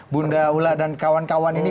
bunda ula dan kawan kawan ini